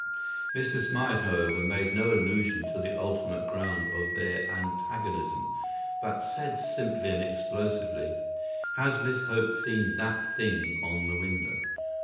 Mr. Smythe, however, made no allusion to the ultimate ground of their antagonism, but said simply and explosively, "Has Miss Hope seen that thing on the window?"